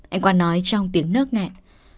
anh quan nói trong tiếng nước ngẹn